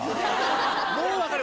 もう分かる。